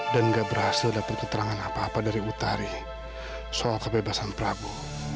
dan gak berhasil dapet keterangan apa apa dari utari soal kebebasan prabu